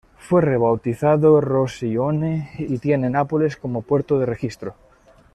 Fue rebautizado Rossy One y tiene Nápoles como puerto de registro.